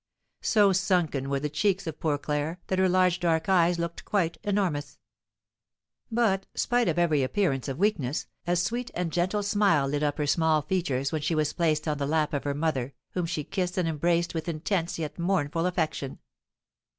So sunken were the cheeks of poor Claire that her large dark eyes looked quite enormous. But, spite of every appearance of weakness, a sweet and gentle smile lit up her small features when she was placed on the lap of her mother, whom she kissed and embraced with intense yet mournful affection.